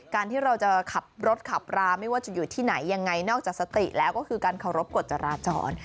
ที่เราจะขับรถขับราไม่ว่าจะอยู่ที่ไหนยังไงนอกจากสติแล้วก็คือการเคารพกฎจราจร